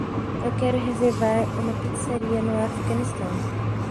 Eu quero reservar uma pizzaria no Afeganistão.